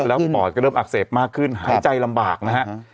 แล้วปอดก็เริ่มอักเสบมากขึ้นหายใจลำบากนะฮะ